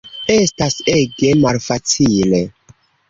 Estas ege malfacile.